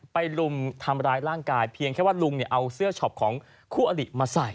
ลุมทำร้ายร่างกายเพียงแค่ว่าลุงเอาเสื้อช็อปของคู่อลิมาใส่